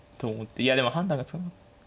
いやでも判断がつかなかった。